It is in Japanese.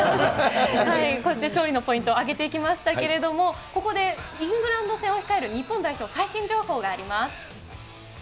こうして勝利のポイントを挙げていきましたけれども、ここでイングランド戦を控える日本代表、最新情報があります。